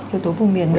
chủ tố vùng miền nữa